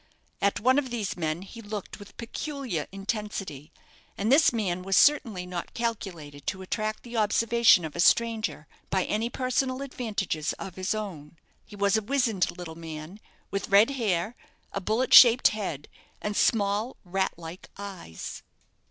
At one of these men he looked with peculiar intensity; and this man was certainly not calculated to attract the observation of a stranger by any personal advantages of his own. He was a wizened little man, with red hair, a bullet shaped head, and small, rat like eyes.